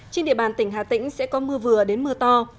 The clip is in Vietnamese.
trên địa bàn tỉnh hà tĩnh sẽ có mưa vừa đến mưa to